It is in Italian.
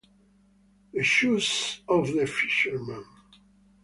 The Shoes of the Fisherman